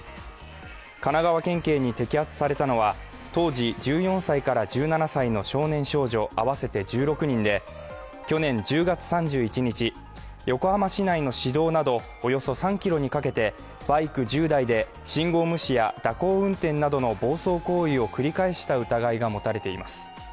神奈川県警に摘発されたのは当時１４歳から１７歳の少年少女合わせて１６人で、去年１０月３１日、横浜市内の市道などおよそ３ｋｍにかけてバイク１０台で信号無視や蛇行運転などの暴走行為を繰り返した疑いが持たれています。